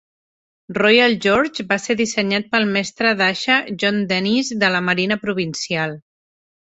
"Royal George" va ser dissenyat pel mestre d'aixa John Dennis de la Marina Provincial.